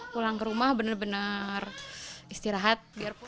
pulang ke rumah benar benar istirahat